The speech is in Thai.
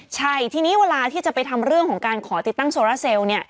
ใช่ทีนี้เวลาที่จะไปทำเรื่องของการขอติดตั้งโซราเซลล์เนี่ย